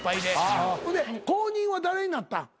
で後任は誰になった？